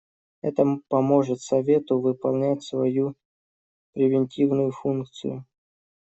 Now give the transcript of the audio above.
Это поможет Совету выполнять свою превентивную функцию.